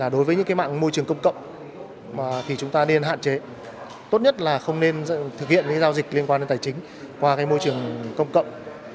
đối với những mạng môi trường công cộng thì chúng ta nên hạn chế tốt nhất là không nên thực hiện những giao dịch liên quan đến tài chính qua môi trường công cộng